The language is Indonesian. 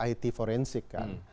it forensik kan